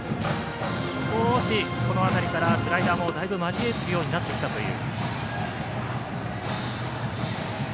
少しこの辺りからスライダーもだいぶ交えるようになってきたという。